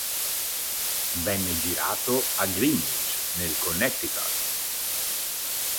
Venne girato a Greenwich, nel Connecticut.